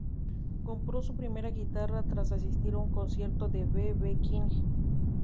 Compró su primera guitarra tras asistir a un concierto de B. B. King.